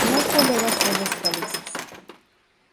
No tolera suelos calizos.